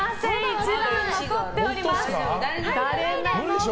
１番残っております。